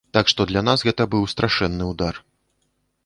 Так што для нас гэта быў страшэнны ўдар.